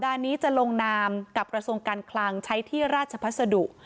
นี้จะลงนามกับกระทรวงการคลังใช้ที่ราชพัสดุ